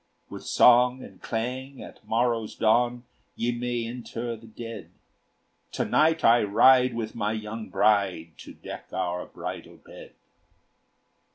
"With song and clang, at morrow's dawn, Ye may inter the dead; To night I ride, with my young bride, To deck our bridal bed.